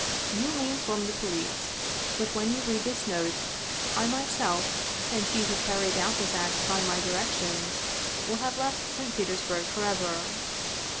You may inform the police, but when you read this note, I myself and he who carried out this act by my directions, will have left St. Petersburg forever.